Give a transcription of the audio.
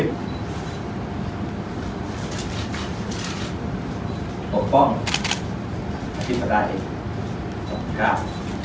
ปกป้องอธิบายปกป้องข้าว